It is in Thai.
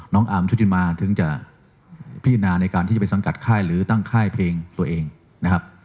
อาร์มชุติมาถึงจะพิจารณาในการที่จะไปสังกัดค่ายหรือตั้งค่ายเพลงตัวเองนะครับ